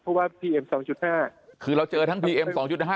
เพราะว่าพีเอ็มสองจุดห้าคือเราเจอทั้งพีเอ็มสองจุดห้า